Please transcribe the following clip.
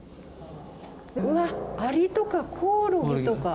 うわっアリとかコオロギとか。